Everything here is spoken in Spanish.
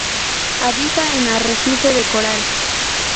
Habita en arrecife de coral.